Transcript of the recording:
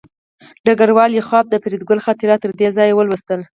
ډګروال لیاخوف د فریدګل خاطرات تر دې ځایه ولوستل